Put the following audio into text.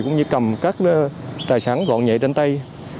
cũng như cầm các tài sản gọn nhẹ trên tay